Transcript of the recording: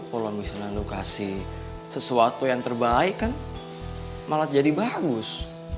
kalau misalnya lo kasih sesuatu yang terbaik kan malah jadi bagus